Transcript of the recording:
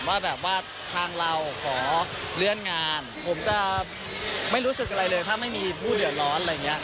ว่าแบบว่าทางเราขอเลื่อนงานผมจะไม่รู้สึกอะไรเลยถ้าไม่มีผู้เดือดร้อนอะไรอย่างนี้